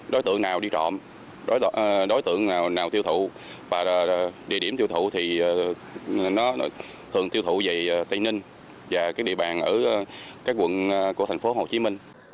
đối tượng nào đi trộm đối tượng nào tiêu thụ và địa điểm tiêu thụ thì nó thường tiêu thụ về tây ninh và địa bàn ở các quận của thành phố hồ chí minh